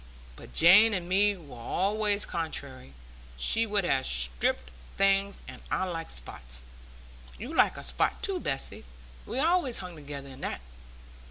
But Jane and me were allays contrairy; she would have striped things, and I like spots. You like a spot too, Bessy; we allays hung together i' that."